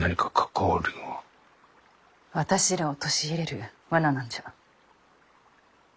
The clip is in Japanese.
私らを陥れる罠なんじゃ？